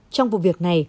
trong vụ việc này